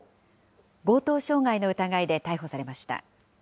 強盗傷害の疑いで逮捕されました。